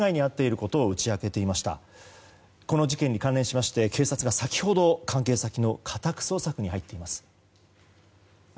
この事件に関連しまして警察が先ほど、関係先の家宅捜索に入っています。